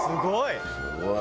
すごい。